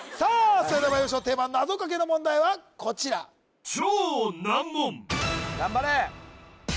それではまいりましょうテーマなぞかけの問題はこちら・頑張れ！